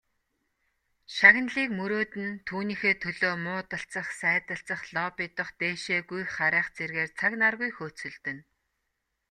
Шагналыг мөрөөднө, түүнийхээ төлөө муудалцах, сайдалцах, лоббидох, дээшээ гүйх харайх зэргээр цаг наргүй хөөцөлдөнө.